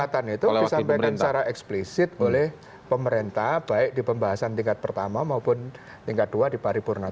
kesempatan itu disampaikan secara eksplisit oleh pemerintah baik di pembahasan tingkat pertama maupun tingkat dua di paripurna